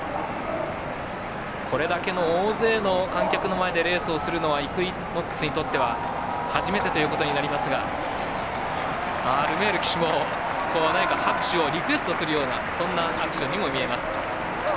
これだけの大勢の観客の前でレースをするのはイクイノックスにとっては初めてということになりますがルメール騎手も拍手をリクエストするようなそんなアクションにも見えます。